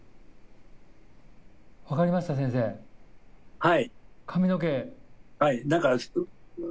はい。